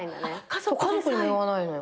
家族にも言わないのよ。